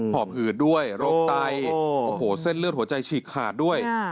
อบหืดด้วยโรคไตโอ้โหเส้นเลือดหัวใจฉีกขาดด้วย